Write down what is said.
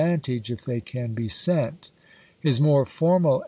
tage, if they can be sent." His more formal an p.'